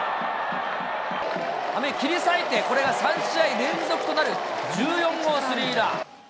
雨切り裂いて、これが３試合連続となる１４号スリーラン。